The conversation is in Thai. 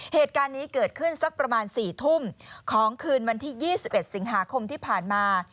เหตุการณ์นี้เกิดขึ้นสักประมาณ๔ทุ่มของคืนวันที่๒๑สิงหาคมที่ผ่านมา